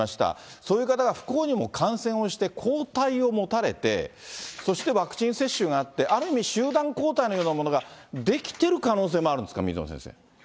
そういう方が不幸にも感染をして、抗体を持たれて、そしてワクチン接種があって、ある意味、集団抗体のようなものが出来てる可能性もあるんですか、水野先生。